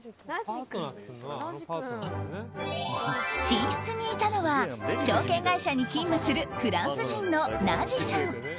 寝室にいたのは証券会社に勤務するフランス人のナジさん。